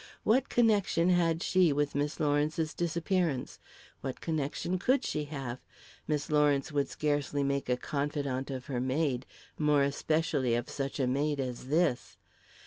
What connection had she with Miss Lawrence's disappearance? What connection could she have? Miss Lawrence would scarcely make a confidante of her maid, more especially of such a maid as this!